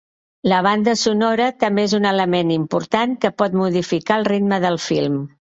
La banda sonora també és un element important que pot modificar el ritme del film.